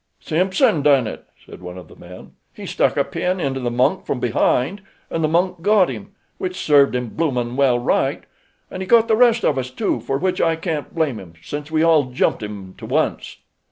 "Simpson done it," said one of the men. "He stuck a pin into the monk from behind, and the monk got him—which served him bloomin' well right—an' he got the rest of us, too, for which I can't blame him, since we all jumped him to once."